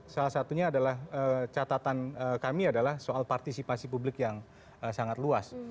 salah satunya adalah catatan kami adalah soal partisipasi publik yang sangat luas